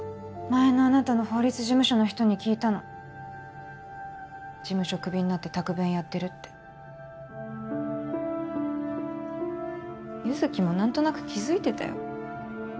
前のあなたの法律事務所の人に聞いたの事務所クビになってタクベンやってるって優月もなんとなく気づいてたよ